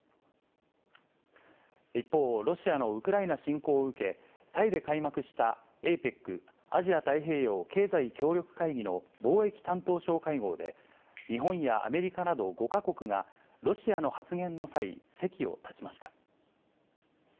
一方、ロシアのウクライナ侵攻を受け、タイで開幕した、ＡＰＥＣ・アジア太平洋経済協力会議の貿易担当相会合で、日本やアメリカなど５か国が、ロシアの発言の際、席を立ちました。